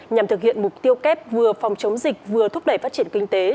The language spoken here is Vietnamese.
nhằm thực hiện mục tiêu kép vừa phòng chống dịch vừa thúc đẩy phát triển kinh tế